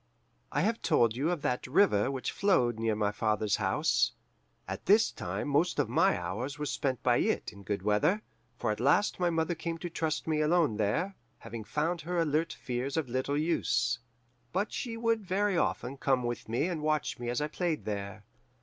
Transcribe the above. "I have told you of that river which flowed near my father's house. At this time most of my hours were spent by it in good weather, for at last my mother came to trust me alone there, having found her alert fears of little use. But she would very often come with me and watch me as I played there.